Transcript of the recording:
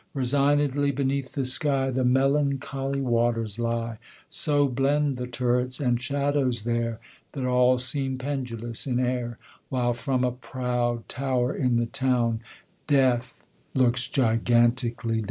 Resignedly beneath the sky The melancholy waters lie. So blend the turrets and shadows there That all seem pendulous in air, While from a proud tower in the town Death looks gigantically down.